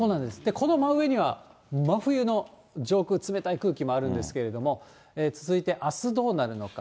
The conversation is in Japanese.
この真上には真冬の上空、冷たい空気もあるんですけれども、続いて、あすどうなるのか。